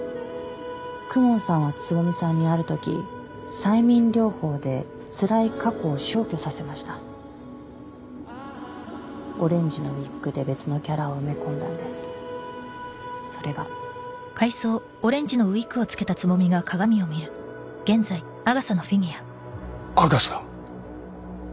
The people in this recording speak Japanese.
公文さんは蕾さんにあるとき催眠療法でつらい過去を消去させましたオレンジのウィッグで別のキャラを埋め込んだんですそれがアガサ？